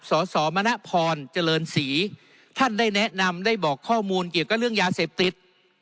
สมณพรเจริญศรีท่านได้แนะนำได้บอกข้อมูลเกี่ยวกับเรื่องยาเสพติด